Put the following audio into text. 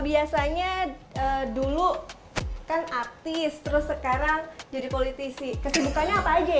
biasanya dulu kan artis terus sekarang jadi politisi kesibukannya apa aja ya